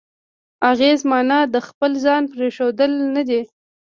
اغېز معنا د خپل ځان پرېښوول نه دی.